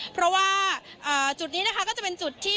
เพราะว่าจุดนี้นะคะก็จะเป็นจุดที่